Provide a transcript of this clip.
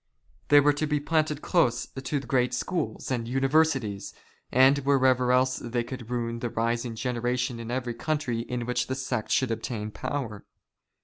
They were to be planted close to great schools and universities, and wherever else they could ruin the rising generation in every country in which the sect should obtain power.